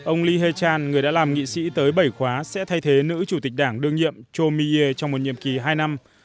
ông lee hae chan người đã làm nghị sĩ tới bảy khóa sẽ thay thế nữ chủ tịch đảng đương nhiệm chomiye trong một nhiệm kỳ hai năm